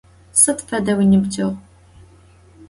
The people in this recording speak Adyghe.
Sıd feda vuinıbceğu?